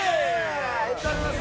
いってやります